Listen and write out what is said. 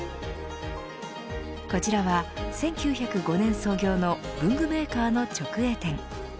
こちらは、１９０５年創業の文具メーカーの直営店。